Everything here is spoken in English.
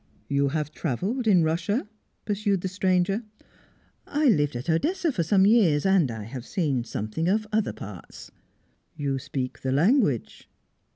"You have travelled in Russia?" pursued the stranger. "I lived at Odessa for some years, and I have seen something of other parts." "You speak the language?"